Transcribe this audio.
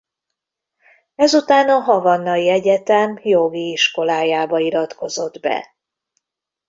Ezután a Havannai Egyetem jogi iskolájába iratkozott be.